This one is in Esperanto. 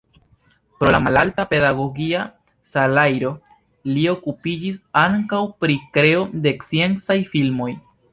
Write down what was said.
Pro la malalta pedagogia salajro li okupiĝis ankaŭ pri kreo de sciencaj filmoj.